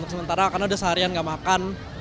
sementara karena udah seharian nggak makan